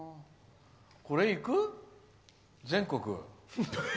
これ、行く？全国。